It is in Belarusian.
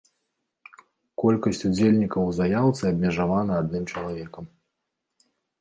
Колькасць удзельнікаў у заяўцы абмежавана адным чалавекам.